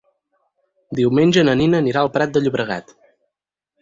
Diumenge na Nina anirà al Prat de Llobregat.